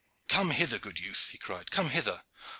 "Come hither, good youth," he cried, "come hither!